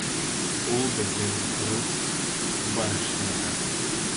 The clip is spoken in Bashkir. Ул беҙҙең рус барышняһы.